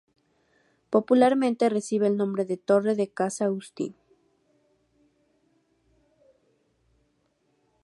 Popularmente recibe el nombre de Torre de casa Agustín.